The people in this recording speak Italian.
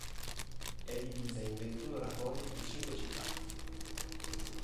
È divisa in ventuno rajon e cinque città.